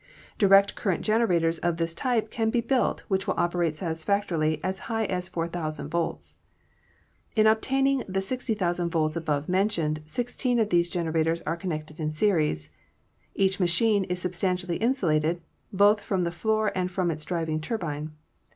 Direct current generators of this type can be built which will operate satisfactorily as high as 4,000 volts. In obtaining the 60,000 volts above men tioned sixteen of these generators are connected in series. Each machine is substantially insulated, both from the floor and from its driving turbine.